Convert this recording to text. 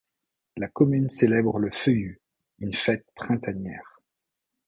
La commune célèbre le Feuillu, une fête printanière.